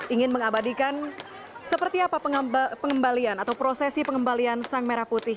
ingin mengabadikan seperti apa prosesi pengembalian sang merah putih